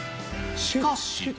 しかし。